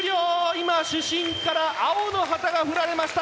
今主審から青の旗が振られました。